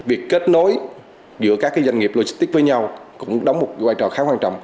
việc kết nối giữa các doanh nghiệp logistics với nhau cũng đóng một vai trò khá quan trọng